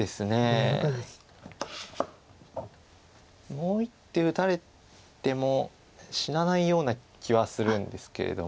もう１手打たれても死なないような気はするんですけれども。